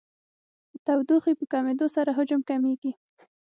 د تودوخې په کمېدو سره حجم کمیږي.